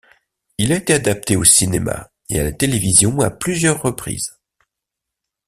Il a été adapté au cinéma et à la télévision à plusieurs reprises.